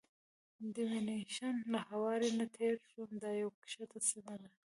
د وینیشن له هوارې نه تېر شوم، دا یوه کښته سیمه وه.